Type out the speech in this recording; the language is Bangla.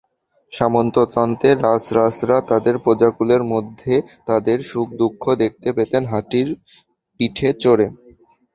সামন্ততন্ত্রে রাজরাজড়ারা তাঁদের প্রজাকুলের মধ্যে তাঁদের সুখ-দুঃখ দেখতে পেতেন হাতির পিঠে চড়ে।